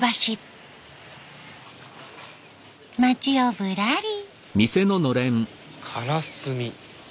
町をぶらり。